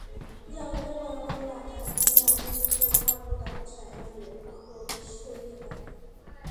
জগতের বড়ো বড়ো রাজাধিরাজের প্রখর প্রতাপ এই ছায়াময় নীড়ের মধ্যে প্রবেশ করিতে পায় না।